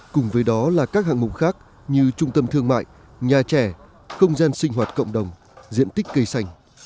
cùng với đó là các hạng mục khác như trung tâm thương mại nhà trẻ không gian sinh hoạt cộng đồng diện tích cây xanh